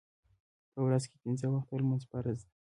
په ورځ کې پنځه وخته لمونځ فرض دی.